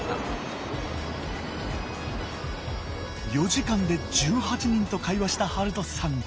４時間で１８人と会話した遥人さん。